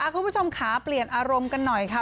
คุณผู้ชมค่ะเปลี่ยนอารมณ์กันหน่อยค่ะ